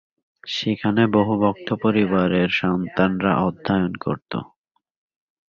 সেখানে বহু ভক্ত পরিবারের সন্তানরা অধ্যয়ন করত।